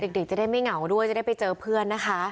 เด็กจะได้ไม่เหงาด้วยจะได้ไปเจอเพื่อนนะคะ